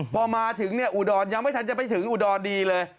พอมาถึงเนี่ยอุดรยังไม่ทันจะไปถึงอุดรดีเลย